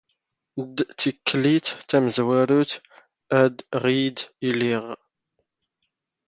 ⴷ ⵜⵉⴽⴽⵍⵉⵜ ⵜⴰⵎⵣⵡⴰⵔⵓⵜ ⴰⴷ ⵖⵉⴷ ⵉⵍⵉⵖ.